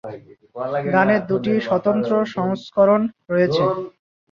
গানের দুটি স্বতন্ত্র সংস্করণ রয়েছে।